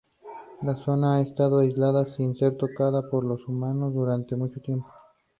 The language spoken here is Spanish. La zona ha estado aislada, sin ser tocada por los humanos durante mucho tiempo.